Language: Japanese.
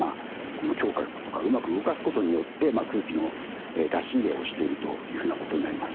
この胸郭とかうまく動かすことによって空気の出し入れをしているというふうなことになります。